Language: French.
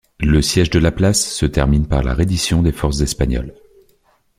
Le siège de la place se termine par la reddition des forces espagnoles.